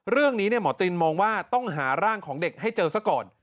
เรื่องนี้หมอตินมองว่าต้องหาร่างของเด็กให้เจอซะก่อน